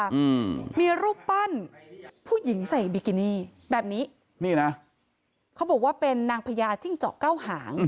อืมมีรูปปั้นผู้หญิงใส่บิกินี่แบบนี้นี่นะเขาบอกว่าเป็นนางพญาจิ้งเจาะเก้าหาง